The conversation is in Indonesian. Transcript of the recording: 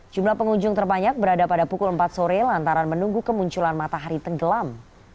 jumlah pengunjung terbanyak berada pada pukul empat sore lantaran menunggu kemunculan matahari tenggelam